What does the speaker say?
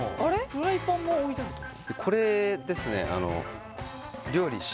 フライパンも置いてあるこれですね